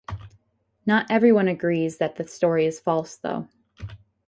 Not everyone agrees that the story is false, though.